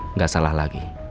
nggak salah lagi